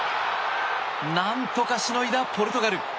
何とかしのいだポルトガル。